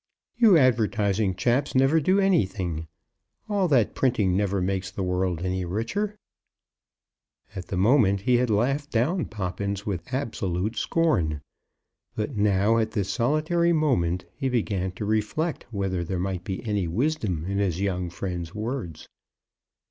"You advertising chaps never do anything. All that printing never makes the world any richer." At the moment he had laughed down Poppins with absolute scorn; but now, at this solitary moment he began to reflect whether there might be any wisdom in his young friend's words.